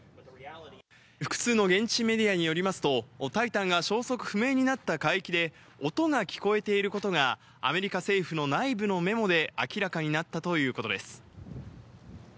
複数の現地メディアによりますと「タイタン」が消息不明になった海底で音が聞こえていることがアメリカ政府の内部のメモで明らかになったということです。